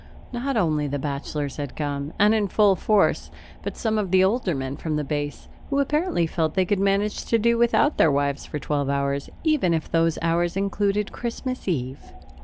Not only the bachelors had come and in full force but some of the older men from Base, who apparently felt they could manage to do without their wives for twelve hours, even if those hours included Christmas Eve.